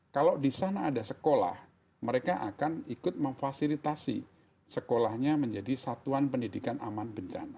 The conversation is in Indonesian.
kalau di sana ada sekolah mereka akan ikut memfasilitasi sekolahnya menjadi satuan pendidikan aman bencana